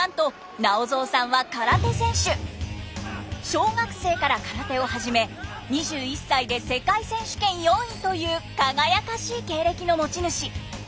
小学生から空手を始め２１歳で世界選手権４位という輝かしい経歴の持ち主。